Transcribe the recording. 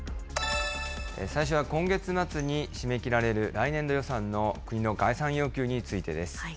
最初は今月末に締め切られる来年度予算の国の概算要求についてです。